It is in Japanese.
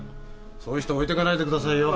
そういう人置いてかないでくださいよ。